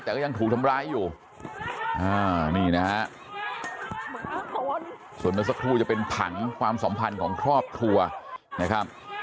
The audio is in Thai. แต่ก็ยังถูกทำร้ายอยู่นี่นะฮะส่วนเมื่อสักครู่จะเป็นผังความสัมพันธ์ของครอบครัวนะครับ